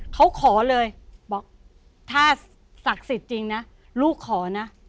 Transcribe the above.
เขาขอเลยบอกถ้าศักดิ์สิทธิ์จริงนะลูกขอนะ